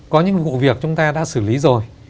có những vụ việc chúng ta đã xử lý rồi